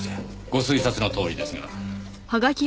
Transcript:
ご推察のとおりですが。